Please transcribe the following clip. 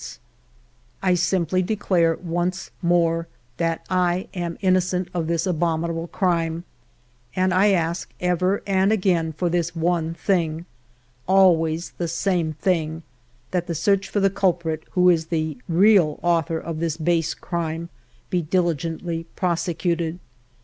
2 ALFRED DREYFUS 217 " I simply declare once more that I am innocent of this abominable crime, and I ask ever and again for this one thing, always the same thing, — that the search for the culprit who is the real author of this base crime be diligently prosecuted.